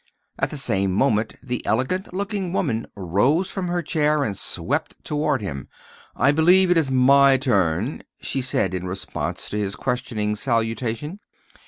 At the same moment the elegant looking woman rose from her chair and swept toward him. "I believe it is my turn," she said, in response to his questioning salutation.